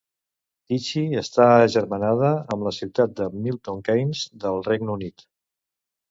Tychy està agermanada amb la ciutat de Milton Keynes del Regne Unit.